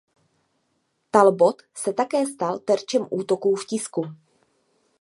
Talbot se také stal terčem útoků v tisku.